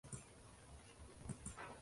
Xalq irodasi qayerda qoladi unda?